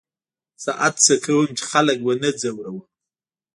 زه هڅه کوم، چي خلک و نه ځوروم.